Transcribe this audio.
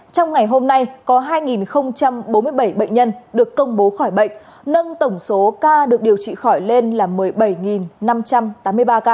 trong ngày hôm nay có hai bốn mươi bảy bệnh nhân được công bố khỏi bệnh nâng tổng số ca được điều trị khỏi lên là một mươi bảy năm trăm tám mươi ba ca